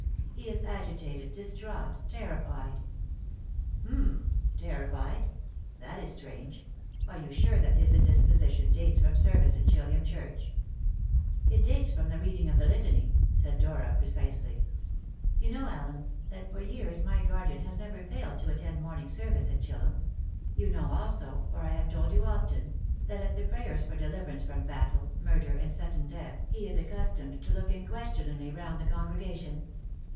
He is agitated, distraught, terrified." "H'm! Terrified? That is strange. Are you sure that his indisposition dates from service in Chillum Church?" "It dates from the reading of the Litany," said Dora precisely. "You know, Allen, that for years my guardian has never failed to attend morning service at Chillum. You know also for I have told you often that at the prayers for deliverance from battle, murder, and sudden death he is accustomed to look questioningly round the congregation.